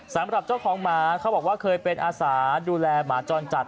สำหรับเจ้าของหมาเขาบอกว่าเคยเป็นอาสาดูแลหมาจรจัด